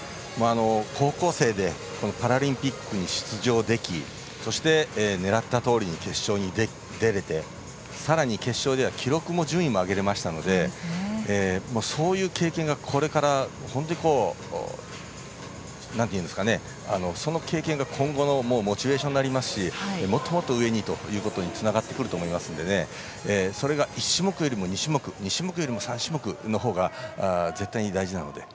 高校生でパラリンピックに出場できそして狙ったとおりに決勝に出れて、さらに決勝では記録も順位も上げれましたのでその経験が今後のモチベーションになりますしもっともっと上にということにつながってくると思いますのでそれが１種目よりも２種目２種目よりも３種目のほうが絶対に大事なので。